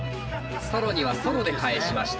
ソロにはソロで返しました。